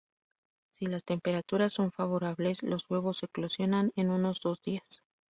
Si las temperaturas son favorables los huevos eclosionan en unos dos días.